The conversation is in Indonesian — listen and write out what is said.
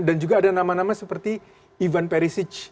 dan juga ada nama nama seperti ivan perisic